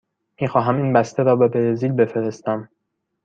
می خواهم این بسته را به برزیل بفرستم.